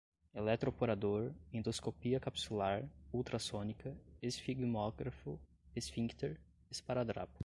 eletroporador, endoscopia capsular, ultrassônica, esfigmógrafo, esfíncter, esparadrapo